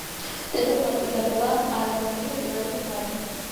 დედოფალ ისაბელა არაგონელის პირველი ქმარი.